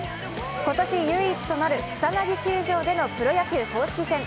今年唯一となる草薙球場でのプロ野球公式戦。